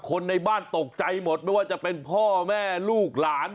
คนในบ้านตกใจหมดไม่ว่าจะเป็นพ่อแม่ลูกหลาน